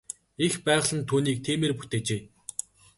Эх байгаль нь түүнийг тиймээр бүтээжээ.